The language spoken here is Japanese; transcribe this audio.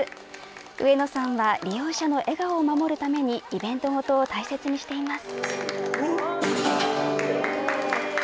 上野さんは利用者の笑顔を守るためにイベント事を大切にしています。